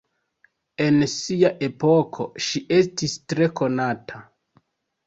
En sia epoko ŝi estis tre konata.